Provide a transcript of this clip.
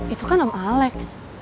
itu kan om alex